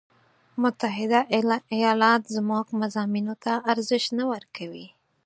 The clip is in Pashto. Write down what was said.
متحده ایالات زموږ مضامینو ته ارزش نه ورکوي.